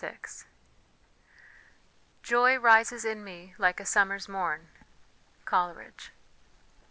VI Joy rises in me like a summer's morn. COLERIDGE.